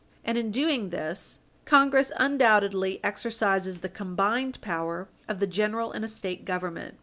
And in doing this, Congress undoubtedly exercises the combined power of the General and a State Government.